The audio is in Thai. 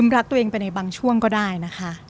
รักตัวเองไปในบางช่วงก็ได้นะคะ